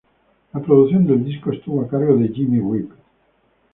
La producción del disco estuvo a cargo de Jimmy Rip.